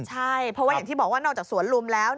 ใช่เพราะว่าอย่างที่บอกว่านอกจากสวนลุมแล้ว